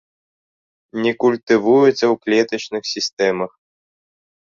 Не культывуюцца ў клетачных сістэмах.